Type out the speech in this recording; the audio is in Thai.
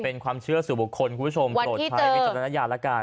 เป็นความเชื่อสู่บุคคลคุณผู้ชมโดดไทยไม่จดรัญญาณละกัน